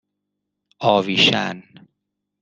آویشن